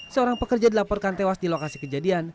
seorang pekerja dilaporkan tewas di lokasi kejadian